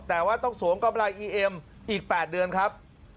ที่ถูกสวมกำไรอีเอ็มอีก๘เดือนครับ